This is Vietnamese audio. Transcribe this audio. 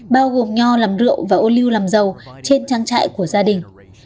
bao gồm nho làm rượu và ô lưu làm dầu trên trang trại của gia đình